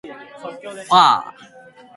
ふぁあ